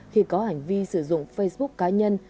khi có hành vi sử dụng facebook cá nhân